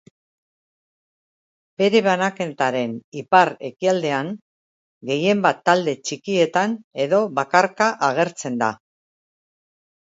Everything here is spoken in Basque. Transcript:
Bere banaketaren ipar-ekialdean gehienbat talde txikietan edo bakarka agertzen da.